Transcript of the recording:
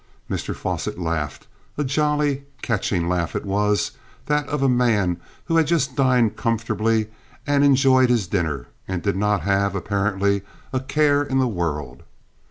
Mr Fosset laughed; a jolly, catching laugh it was that of a man who had just dined comfortably and enjoyed his dinner, and did not have, apparently, a care in the world.